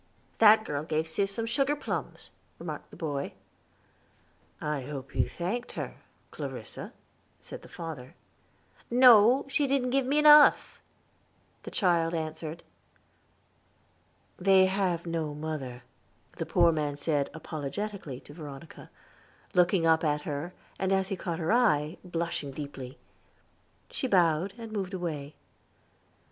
"That girl gave Sis some sugar plums," remarked the boy. "I hope you thanked her, Clarissa," said the father. "No; she didn't give me enough," the child answered. "They have no mother," the poor man said apologetically to Veronica, looking up at her, and, as he caught her eye, blushing deeply. She bowed, and moved away.